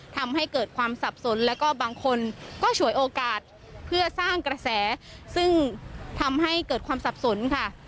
ทำให้เกิดความสับสนแล้วก็บางคนก็ฉวยโอกาสเพื่อสร้างกระแสซึ่งทำให้เกิดความสับสนค่ะ